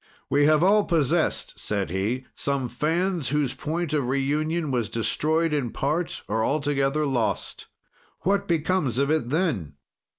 "We have all possest," said he, "some fans whose point of reunion was destroyed in part or altogether lost. "What becomes of it, then?